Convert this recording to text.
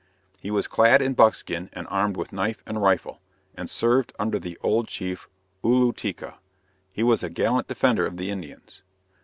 He was clad in buckskin and armed with knife and rifle, and served under the old chief Oolooteka. He was a gallant defender of the Indians.